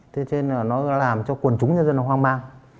thế nên là nó làm cho quân chống nhân dân nó hoang mang